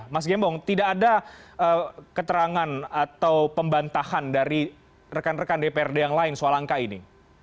mas gembong tidak ada keterangan atau pembantahan dari rekan rekan dprd yang lain soal angka ini